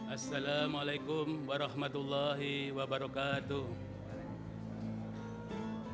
assalamu'alaikum warahmatullahi wabarakatuh